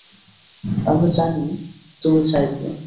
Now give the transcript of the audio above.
আমরা জানি তুমি চাইবে।